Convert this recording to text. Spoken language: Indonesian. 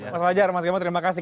mas fajar mas gembong terima kasih